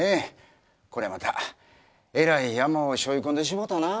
こりゃまたえらいヤマをしょい込んでしもうたな。